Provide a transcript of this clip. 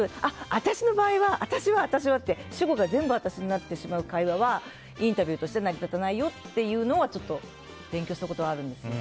私の場合は、私はって主語が全部私になってしまう会話はインタビューとして成り立たないよというのは勉強したことはあるんですよ。